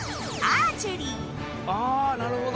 ああなるほど。